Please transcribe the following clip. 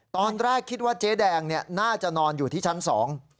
ตอนแรกคิดว่าเจ๊แดงเนี่ยน่าจะนอนอยู่ที่ชั้นสอง